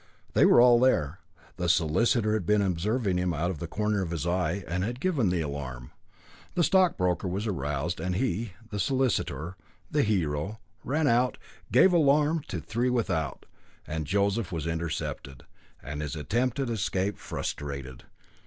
They were all there. The solicitor had been observing him out of the corner of his eye, and had given the alarm. The stockbroker was aroused, and he, the solicitor, the hero, ran out, gave the alarm to the three without, and Joseph was intercepted, and his attempt at escape frustrated.